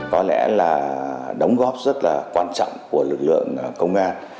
có lẽ là đóng góp rất là quan trọng của lực lượng công an